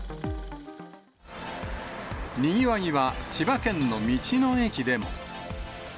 にぎわいは、千葉県の道の駅でも。